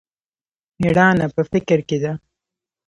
مېړانه په فکر کښې ده.